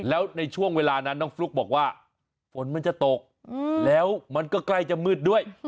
แล้วในช่วงเวลานั้นน้องฟลุ๊กบอกว่าฝนมันจะตกแล้วมันก็ใกล้จะมืดด้วย